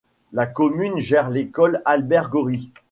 La commune gère l'école Albert-Goris.